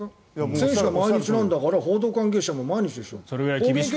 選手が毎日なんだから報道関係者も毎日でしょう。